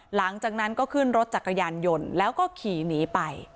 หลังจากนั้นก็ขึ้นรถจักรยานยนต์แล้วก็ขี่หนีไป